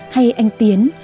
hay anh tiến